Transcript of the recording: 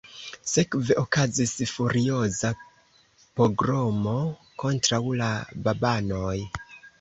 Sekve okazis furioza pogromo kontraŭ la babanoj.